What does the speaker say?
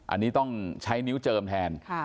อันนี้ต้องใช้นิ้วเจิมแทน